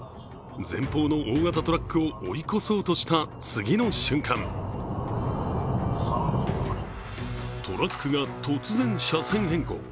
前方の大型トラックを追い越そうとした次の瞬間トラックが突然、車線変更。